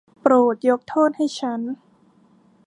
โปรดยกโทษให้ฉัน.